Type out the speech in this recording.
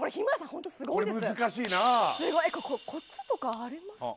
ホントすごいですこれ難しいなコツとかありますか？